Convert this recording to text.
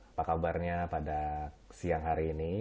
apa kabarnya pada siang hari ini